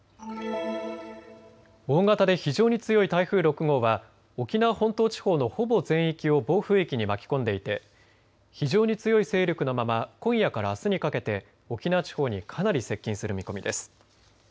大型で非常に強い台風６号は沖縄本島地方のほぼ全域を暴風域に巻き込んでいて非常に強い勢力のまま今夜からあすにかけて沖縄地方にかなり接近する見込みです。